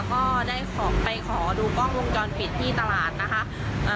ก็ได้ขอไปขอดูกล้องวงจรปิดที่ตลาดนะคะ